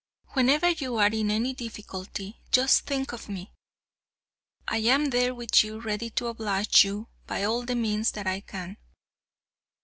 Whenever you are in any difficulty just think of me. I am there with you ready to oblige you by all the means that I can.